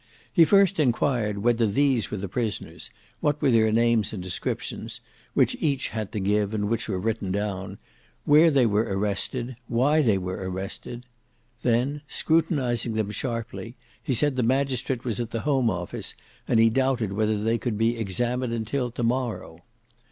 He first enquired whether these were the prisoners, what were their names and descriptions, which each had to give and which were written down, where they were arrested, why they were arrested: then scrutinising them sharply he said the magistrate was at the Home Office, and he doubted whether they could be examined until the morrow.